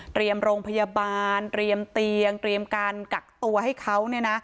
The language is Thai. เตรียมโรงพยาบาลเตรียมเตียงเตรียมการกักตัวให้เขา